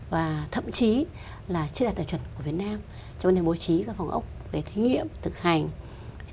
và thậm chí là chưa đạt được chuẩn của việt nam cho nên bố trí các phòng ốc về thí nghiệm thực hành